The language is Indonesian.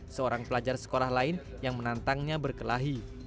seorang pelajar sekolah lain yang menantangnya berkelahi